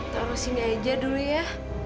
terus ini aja dulu ya